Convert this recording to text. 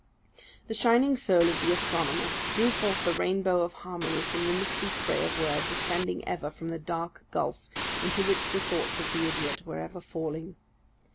The shining soul of the astronomer drew forth the rainbow of harmony from the misty spray of words ascending ever from the dark gulf into which the thoughts of the idiot were ever falling.